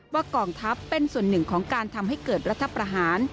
กองทัพเป็นส่วนหนึ่งของการทำให้เกิดรัฐประหาร